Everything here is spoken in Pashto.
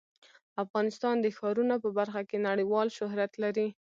افغانستان د ښارونه په برخه کې نړیوال شهرت لري.